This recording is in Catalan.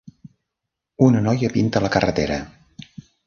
una noia pinta la carretera